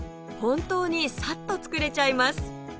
本当にさっと作れちゃいます！